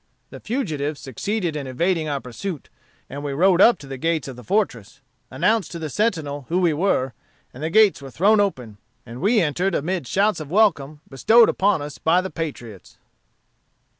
The fugitives succeeded in evading our pursuit, and we rode up to the gates of the fortress, announced to the sentinel who we were, and the gates were thrown open; and we entered amid shouts of welcome bestowed upon us by the patriots."